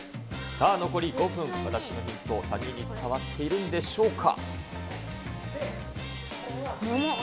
さあ残り５分、私のヒントは３人に伝わっているのでしょうか。